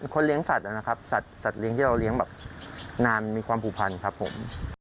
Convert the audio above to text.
เลี้ยงสัตว์นะครับสัตว์เลี้ยงที่เราเลี้ยงแบบนานมีความผูกพันครับผม